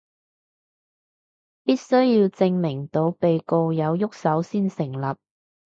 必須要證明到被告有郁手先成立